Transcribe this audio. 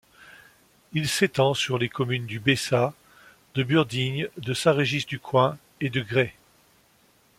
Il s'étend sur les communes du Bessat, de Burdignes, de Saint-Régis-du-Coin et de Graix.